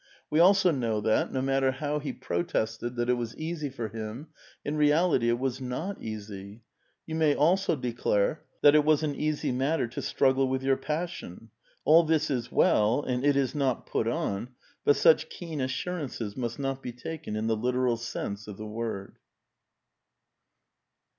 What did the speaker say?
We also know that, no matter how he pro tested that it was easy for him, in reality it was not eas^'. You may also declare that it was an easy matter to struggle with your passion. All this is well, and it is not put on ; but such keen assurances must not be taken in the literal sense of the word."